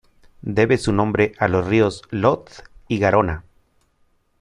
Debe su nombre a los ríos Lot y Garona.